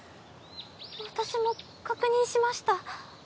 私も確認しました。